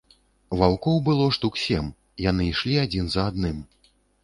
Ваўкоў было штук сем, яны ішлі адзін за адным.